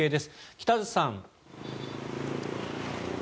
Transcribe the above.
北里さん。